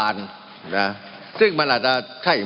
มันมีมาต่อเนื่องมีเหตุการณ์ที่ไม่เคยเกิดขึ้น